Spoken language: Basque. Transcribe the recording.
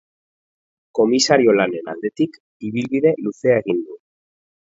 Komisario lanen aldetik, ibilbide luzea egin du.